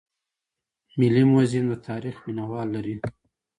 ملي موزیم د تاریخ مینه وال لري